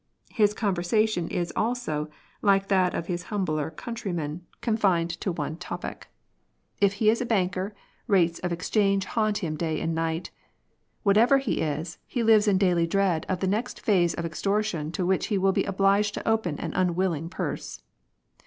His conversation is also, like that of his humbler countrymen, confined I50 MONEY. to one topic ; if lie is a banker, rates of excliange haunt him day and night ; whatever he is, he lives in daily dread of the next phase of extortion to which he will be obliged to open an unwilling purse.